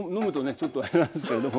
ちょっとあれなんですけれども。